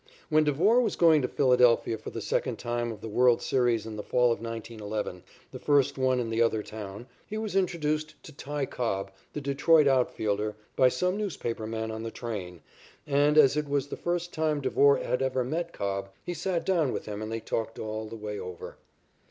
When Devore was going to Philadelphia for the second game of the world's series in the fall of 1911, the first one in the other town, he was introduced to "Ty" Cobb, the Detroit out fielder, by some newspaper man on the train, and, as it was the first time Devore had ever met Cobb, he sat down with him and they talked all the way over.